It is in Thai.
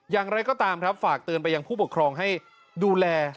อย่างไรก็ตามครับฝากเตือนไปยังผู้ปกครองให้ดูแล